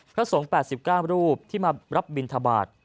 พระสงฆ์แปดสิบก้ามรูปที่มารับบิณฑบาต